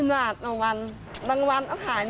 น้ำเบียบน้ำเบียบ